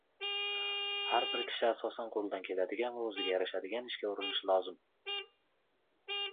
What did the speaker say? Har bir kishi asosan qo‘lidan keladigan va o‘ziga yarashadigan ishga urinishi lozim.